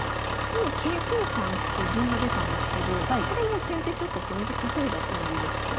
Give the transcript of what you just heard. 今桂交換して銀が出たんですけどこれもう先手ちょっとポイント稼いだ感じですか？